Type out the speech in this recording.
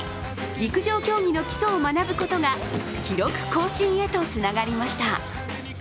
陸上競技の基礎を学ぶことが記録更新へとつながりました。